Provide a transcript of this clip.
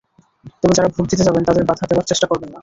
তবে যাঁরা ভোট দিতে যাবেন, তাঁদের বাধা দেবার চেষ্টা করবেন না।